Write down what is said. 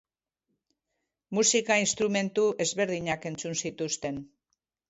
Musika instrumentu ezberdinak entzun zituzten.